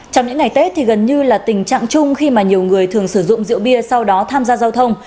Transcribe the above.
trong những ngày tết thì gần như là tình trạng chung khi mà nhiều người thường sử dụng rượu bia sau đó tham gia giao thông